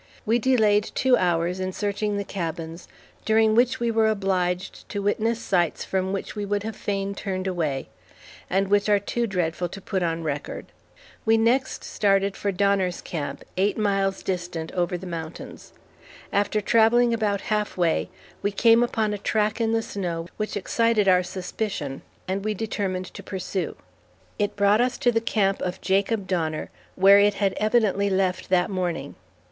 We delayed two hours in searching the cabins, during which we were obliged to witness sights from which we would have fain turned away, and which are too dreadful to put on record. We next started for Donner's camp, eight miles distant over the mountains. After travelling about half way, we came upon a track in the snow which excited our suspicion, and we determined to pursue. It brought us to the camp of Jacob Donner, where it had evidently left that morning.